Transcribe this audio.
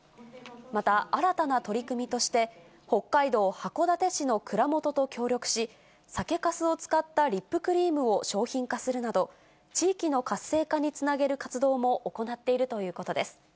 また、新たな取り組みとして、北海道函館市の蔵元と協力し、酒かすを使ったリップクリームを商品化するなど、地域の活性化につなげる活動も行っているということです。